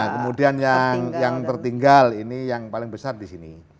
kemudian yang tertinggal ini yang paling besar di sini